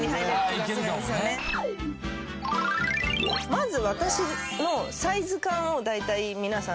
「まず私のサイズ感をだいたい皆さん」